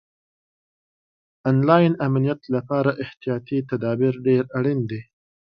آنلاین امنیت لپاره احتیاطي تدابیر ډېر اړین دي.